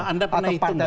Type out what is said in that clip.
anda pernah itu nggak